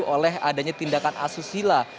oleh adanya tindakan asusila